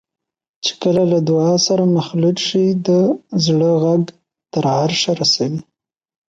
چې کله له دعا سره مخلوط شي د زړه غږ تر عرشه رسوي.